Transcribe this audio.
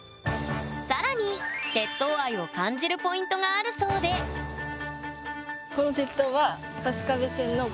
更に鉄塔愛を感じるポイントがあるそうでえっ